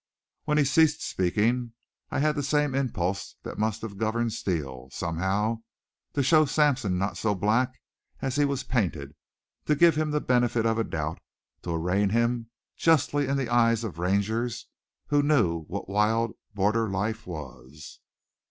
When he ceased speaking I had the same impulse that must have governed Steele somehow to show Sampson not so black as he was painted, to give him the benefit of a doubt, to arraign him justly in the eyes of Rangers who knew what wild border life was.